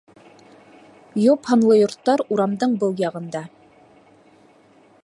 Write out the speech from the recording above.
Йоп һанлы йорттар урамдың был яғында